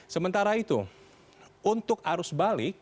sementara itu untuk arus balik